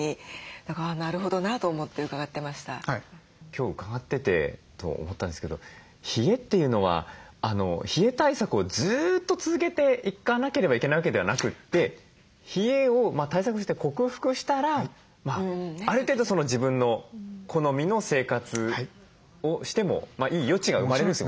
今日伺ってて思ったんですけど冷えっていうのは冷え対策をずっと続けていかなければいけないわけではなくて冷えを対策して克服したらある程度自分の好みの生活をしてもいい余地が生まれると？